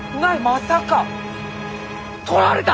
まさか！とられた！？